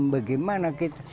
bagaimana kita menuntun